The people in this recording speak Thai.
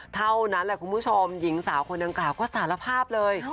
เท่านั้นแหละคุณผู้ชมหญิงสาวคนดังกล่าวก็สารภาพเลย